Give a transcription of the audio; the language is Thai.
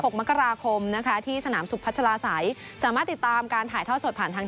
มกราคมนะคะที่สนามสุพัชลาศัยสามารถติดตามการถ่ายทอดสดผ่านทาง